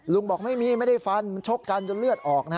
บอกไม่มีไม่ได้ฟันมันชกกันจนเลือดออก